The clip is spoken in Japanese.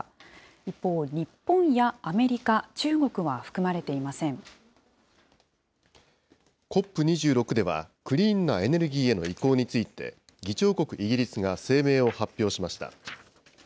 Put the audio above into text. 一方、日本やアメリカ、中国は含ＣＯＰ２６では、クリーンなエネルギーへの移行について、議長国イギリスが声明を発表しました。